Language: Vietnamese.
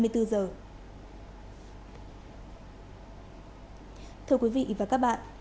thưa quý vị và các bạn